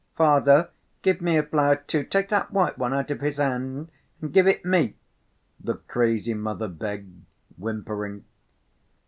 "Father, give me a flower, too; take that white one out of his hand and give it me," the crazy mother begged, whimpering.